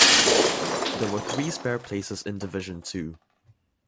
There were three spare places in Division Two.